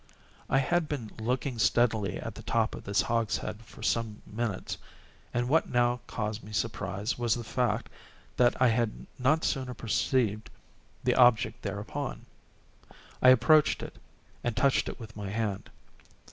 I had been looking steadily at the top of this hogshead for some minutes, and what now caused me surprise was the fact that I had not sooner perceived the object thereupon. I approached it, and touched it with my hand.